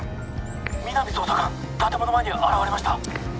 皆実捜査官建物前に現れました